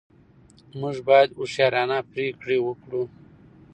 موږ باید هوښیارانه پرېکړې وکړو.